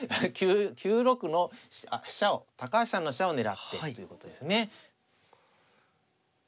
９六の飛車を高橋さんの飛車を狙っているということですね。